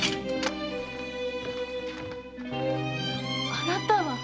あなたは！